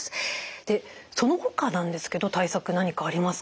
でそのほかなんですけど対策何かありますか？